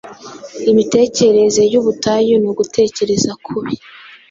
Imitekerereze y’ubutayu ni ugutekereza kubi.